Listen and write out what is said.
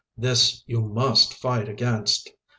This you must fight against.